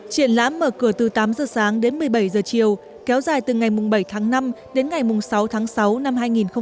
triển lãm mở cửa từ tám giờ sáng đến một mươi bảy giờ chiều kéo dài từ ngày bảy tháng năm đến ngày sáu tháng sáu năm hai nghìn một mươi chín